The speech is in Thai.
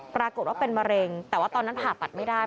ปรากฏว่าเป็นมะเร็งแต่ว่าตอนนั้นผ่าตัดไม่ได้